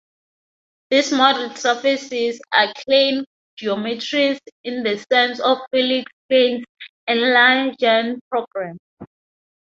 These model surfaces are "Klein geometries" in the sense of Felix Klein's Erlangen programme.